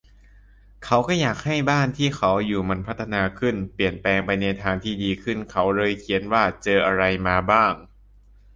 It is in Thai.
เขาก็อยากให้บ้านที่เขาอยู่มันพัฒนาขึ้น เปลี่ยนแปลงไปในทางที่ดึขึ้นเขาเลยเขียนว่าเจออะไรมาบ้าง